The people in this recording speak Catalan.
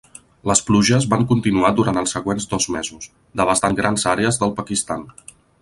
Les pluges van continuar durant els següents dos mesos, devastant grans àrees del Pakistan.